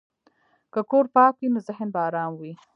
که کور پاک وي، نو ذهن به ارام وي.